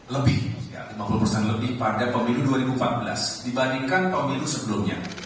lebih lima puluh persen lebih pada pemilu dua ribu empat belas dibandingkan pemilu sebelumnya